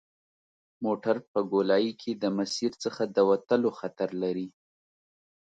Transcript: موټر په ګولایي کې د مسیر څخه د وتلو خطر لري